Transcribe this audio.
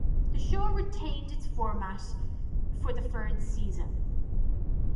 The show retained this format for the third season.